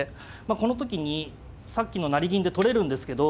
この時にさっきの成銀で取れるんですけど。